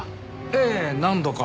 ええ何度か。